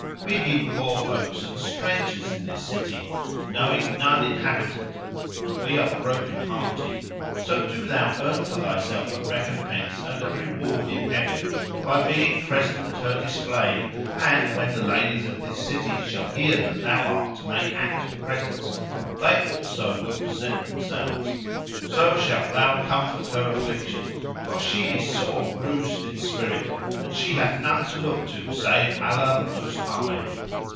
[FN#331] We be poor folks and strangers in this city knowing none inhabitant and we are broken hearted. So do thou earn for thyself a recompense and a reward in Heaven by being present at her displaying and, when the ladies of this city shall hear that thou art to make act of presence, they also will present themselves; so shalt thou comfort her affliction, for she is sore bruised in spirit and she hath none to look to save Allah the Most High."